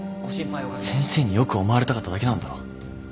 先生に良く思われたかっただけなんだろ。